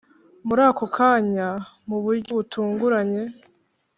murako kanya muburyo butunguranye